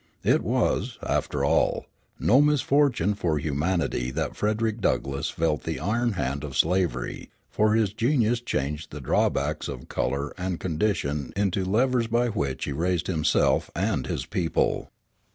It was, after all, no misfortune for humanity that Frederick Douglass felt the iron hand of slavery; for his genius changed the drawbacks of color and condition into levers by which he raised himself and his people.